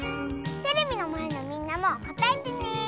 テレビのまえのみんなもこたえてね！